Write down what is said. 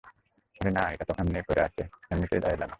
আরে নাহ, এইটা ত, এমনেই পইরা আছে, এমনিতেই দাঁড়াইলাম এইখানে।